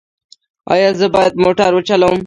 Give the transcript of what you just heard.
ایا زه باید موټر وچلوم؟